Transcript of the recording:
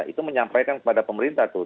itu menyampaikan kepada pemerintah tuh